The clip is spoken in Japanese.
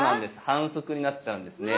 反則になっちゃうんですね。